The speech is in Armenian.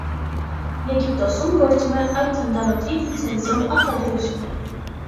Եգիպտոսում գործում է այդ թնդանոթի լիցենզիոն արտադրություն։